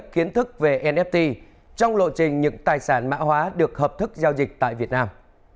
kiến thức về nft trong lộ trình những tài sản mã hóa được hợp thức giao dịch tại việt nam